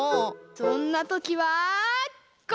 そんなときはこれ！